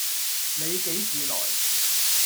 你幾時來